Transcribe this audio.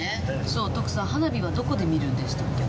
そう徳さん花火はどこで見るんでしたっけ？